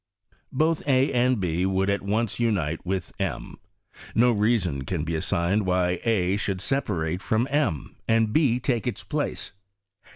Both a and b would at once unite with jti. No reason can be assigned why a should separate from m, and b take its place.